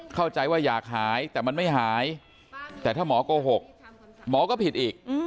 เข้าใจว่าอยากหายแต่มันไม่หายแต่ถ้าหมอโกหกหมอก็ผิดอีก